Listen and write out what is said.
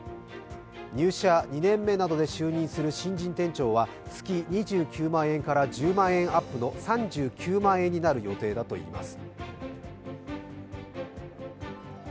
入社２年目などで就任す新人店長は月２９万円から１０万円アップの３９万円になる予定だといいます。